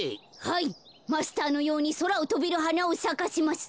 はいマスターのようにそらをとべるはなをさかせます。